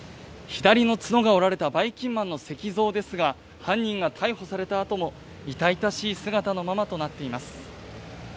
左の角が折られたばいきんまんの石像ですが、犯人が逮捕されたあとも、痛々しい姿のままとなっています。